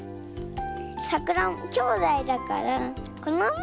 さくらんぼきょうだいだからこのままにしておこう。